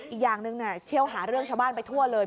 อีกอย่างหนึ่งเชี่ยวหาเรื่องชาวบ้านไปทั่วเลย